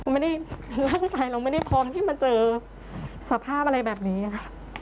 ไม่ได้ร่างกายเราไม่ได้พร้อมที่มาเจอสภาพอะไรแบบนี้ค่ะ